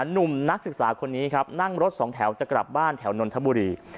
หนุ่มนักศึกษาคนนี้ครับนั่งรถสองแถวจะกลับบ้านแถวนนทบุรี